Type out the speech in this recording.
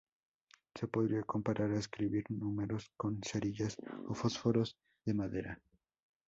Se podría comparar a escribir números con cerillas o fósforos de madera.